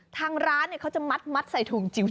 ทางร้านเขาจะมัดใส่ถุงจิ๋ว